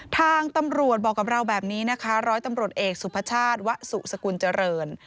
ทางตำรวจบอกกับเราแบบนี้นะคะร้อยตำรวจเอกสุภาชาติวะสุสกุลเจริญ